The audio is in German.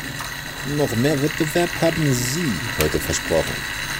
Noch mehr Wettbewerb haben Sie heute versprochen.